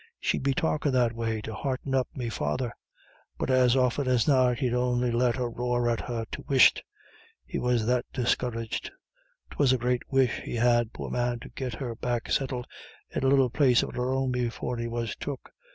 She'd be talkin' that way to hearten up me father; but as often as not he'd on'y let a roar at her to whisht, he was that discouraged. 'Twas a great wish he had, poor man, to git her back settled in a little place of her own before he was took.